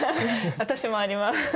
私もあります。